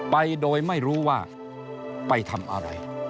ไปโดยไม่รู้ว่าไปทำอะไร